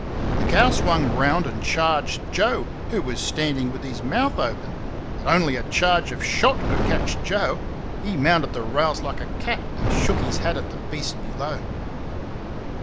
The cow swung round and charged Joe, who was standing with his mouth open. But only a charge of shot could catch Joe; he mounted the rails like a cat and shook his hat at the beast below.